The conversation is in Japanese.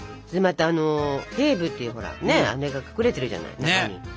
それでまたあのフェーブっていうほらあれが隠れてるじゃない中に。